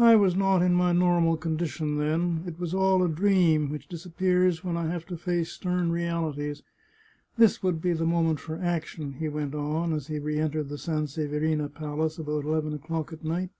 I was not in my normal condition then. It was all a dream, which disap pears when I have to face stern realities. This would be the moment for action," he went on, as he re entered the Sanseverina Palace about eleven o'clock at night.